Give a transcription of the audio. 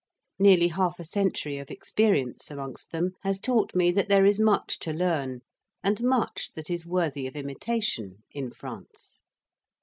Nearly half a century of experience amongst them has taught me that there is much to learn and much that is worthy of imitation in France.